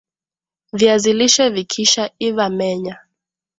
viazi lishe vikisha iva menya